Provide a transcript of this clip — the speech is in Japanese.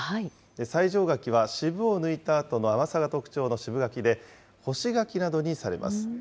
西条柿は渋を抜いたあとの甘さが特徴の渋柿で、干し柿などにされます。